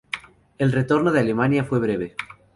El retorno a Alemania fue breve.